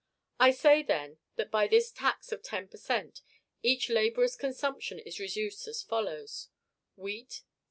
I say, then, that by this tax of ten per cent. each laborer's consumption is reduced as follows: wheat, 0.